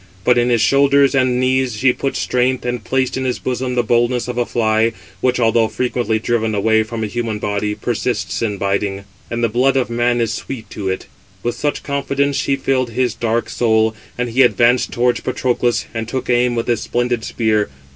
But in his shoulders and knees she put strength, and placed in his bosom the boldness of a fly, which, although frequently driven away from a human body, persists in biting,—and the blood of man is sweet to it. With such confidence she filled his dark soul: and he advanced towards Patroclus, and took aim with his splendid spear.